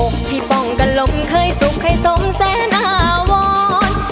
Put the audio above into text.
อกพิภองกันลมเคยสุกให้สมแสนาวร